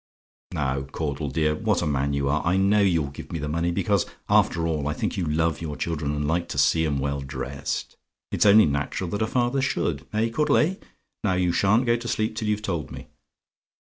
"Now, Caudle, dear! What a man you are! I know you'll give me the money, because, after all, I think you love your children, and like to see 'em well dressed. It's only natural that a father should. Eh, Caudle, eh? Now you sha'n't go to sleep till you've told me.